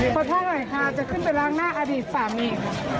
ขอโทษหน่อยค่ะจะขึ้นไปล้างหน้าอดีตสามีค่ะ